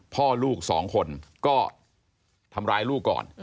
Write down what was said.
พ่อลูกสองคนก็ทำร้ายลูกก่อน